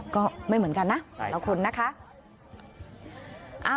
ก็ไม่เหมือนกันนะเดี๋ยวคุณนะคะ